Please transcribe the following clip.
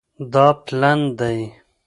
دا پلن دی